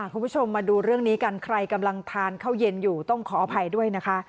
คุณผู้ชมมาดูเรื่องนี้กันใครกำลังทานข้าวเย็นอยู่ต้องขออภัยด้วยนะคะ